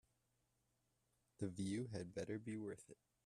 The view had better be worth it.